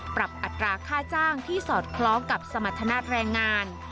อัตราค่าจ้างที่สอดคล้องกับสมรรถนาแรงงาน